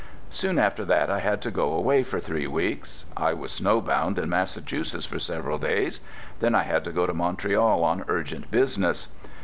Soon after that I had to go away for three weeks. I was snowbound in Massachusetts for several days; then I had to go to Montreal on urgent business.